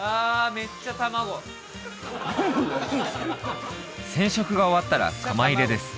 めっちゃ卵染色が終わったら釜入れです